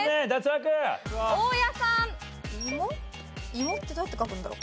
「いも」ってどうやって書くんだろ？